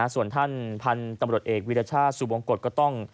ส่วนท่านพันธุ์ตำรวจเอกวิรชาติสุบงกฎก็ต้อง